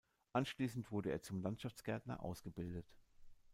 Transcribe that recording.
Anschließend wurde er zum Landschaftsgärtner ausgebildet.